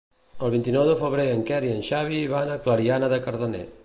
El vint-i-nou de febrer en Quer i en Xavi van a Clariana de Cardener.